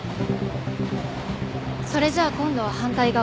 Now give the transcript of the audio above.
それじゃあ今度は反対側。